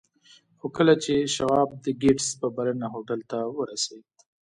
خو کله چې شواب د ګیټس په بلنه هوټل ته ورسېد